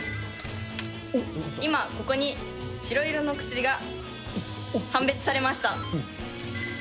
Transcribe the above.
今、ここに白色の薬が判別されました。